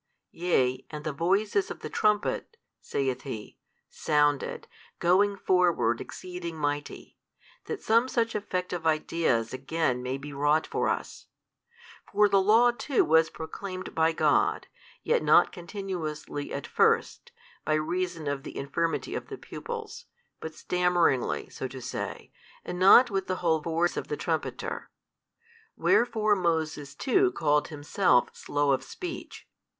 Yea, and the voices of the trumpet (saith he) sounded, going forward exceeding mighty, that some such effect of ideas again may be wrought for us: for the Law too was proclaimed by God, yet not continuously at first, by reason of the infirmity of the pupils, but stammeringly, so to say, and not with the whole force of the trumpeter. Wherefore Moses too called himself slow of speech.